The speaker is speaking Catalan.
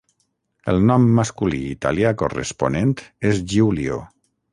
El nom masculí italià corresponent és Giulio.